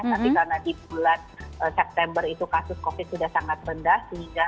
tapi karena di bulan september itu kasus covid sudah sangat rendah